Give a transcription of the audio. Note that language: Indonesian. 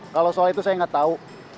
kalau soal itu saya nggak tahu